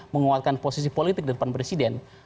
menguatkan posisi politik di depan presiden